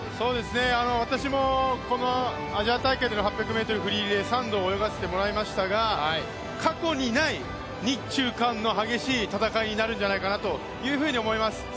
私もこのアジア大会でのフリーリレー３度泳がせていただきましたが過去にない日中韓の激しい戦いになるんじゃないかと思います。